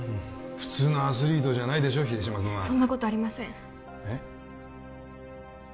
普通のアスリートじゃないでしょ秀島君はそんなことありませんえっ？